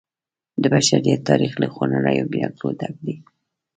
د بشریت تاریخ له خونړیو جګړو ډک دی.